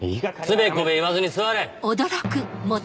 つべこべ言わずに座れ！